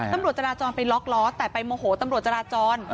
ตำรวจจราจรไปล็อกล้อแต่ไปโมโหตำรวจจราจร